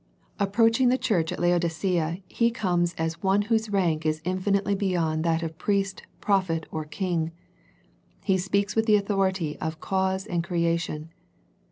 Approaching the church at Laodicea He comes as the One Whose rank is infinitely be yond that of priest, prophet, or king. He speaks with the authority of cause and crea tion.